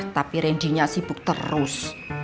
tapi randinya sibuk terus